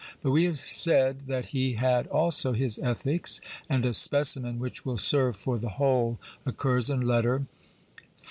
But we have said that he had also his ethics, and a specimen which will serve for the whole occurs in Letter XLIV.